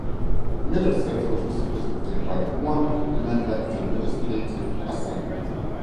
Middlesex was represented by one member in the Legislative Assembly.